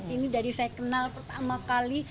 ini dari saya kenal pertama kali